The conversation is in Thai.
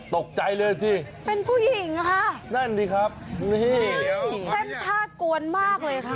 ตกใจเลยสินั่นสิครับเป็นผู้หญิงค่ะแท่นท่ากวนมากเลยค่ะ